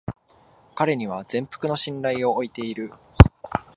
彼には全幅の信頼を置いている